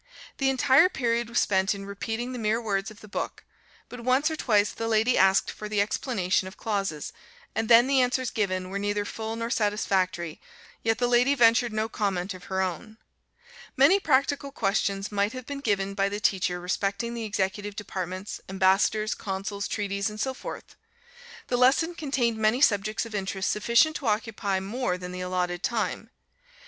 The entire period was spent in repeating the mere words of the book; but once or twice the lady asked for the explanation of clauses, and then the answers given were neither full nor satisfactory, yet the lady ventured no comment of her own. Many practical questions might have been given by the teacher respecting the executive departments, ambassadors, consuls, treaties, and so forth. The lesson contained many subjects of interest sufficient to occupy more than the allotted time.